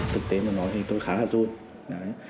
thực tế mà nói thì tôi khá là rui